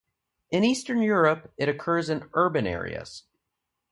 In Eastern Europe it occurs in urban areas.